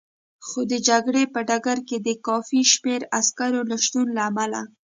خو د جګړې په ډګر کې د کافي شمېر عسکرو نه شتون له امله.